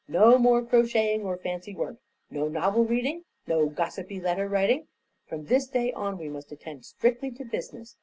No more crocheting or fancy work no novel reading no gossipy letter writing. From this day on we must attend strictly to business.